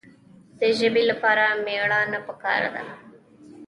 د ژبې لپاره مېړانه پکار ده.